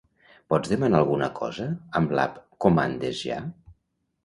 Pots demanar alguna cosa amb l'app Comandesja?